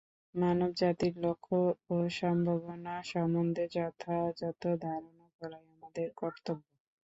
মানবজাতির লক্ষ্য ও সম্ভাবনা সম্বন্ধে যথাযথ ধারণা করাই আমাদের কর্তব্য।